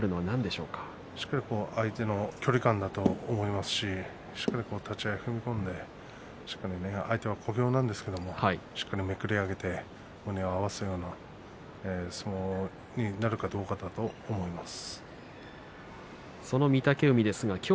しっかり相手の距離感だと思いますししっかり立ち合い踏み込んで相手は小兵なんですけれどもめくり上げて胸を合わすような相撲になるかどうかだと思います。